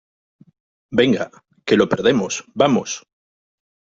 venga, que lo perdemos. ¡ vamos!